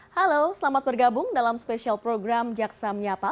halo selamat bergabung dalam spesial program jaksa menyapa